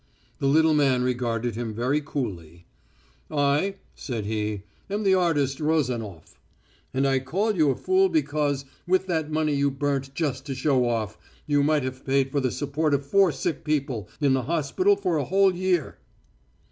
The little man regarded him very coolly. "I," said he, "am the artist Rozanof. And I called you a fool because, with that money you burnt just to show off, you might have paid for the support of four sick people in the hospital for a whole year."